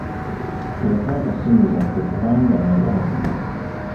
Teyakwata ssimu zaffe kubanga yali avuga.